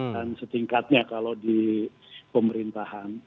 dan setingkatnya kalau di pemerintahan